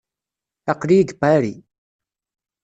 Aql-iyi deg Paris.